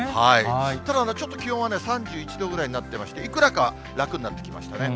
ただちょっと気温は３１度ぐらいになってまして、いくらか楽になってきましたね。